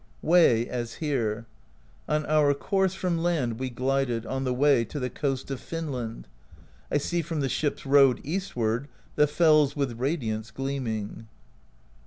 Way, as here: On our course from land we glided. On the Way to the coast of Finland: I see from the Ship's Road, eastward. The fells with radiance gleaming.